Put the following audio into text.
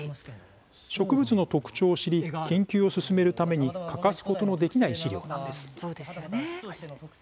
植物の特徴を知り研究を進めるために欠かすことのできない資料なんです。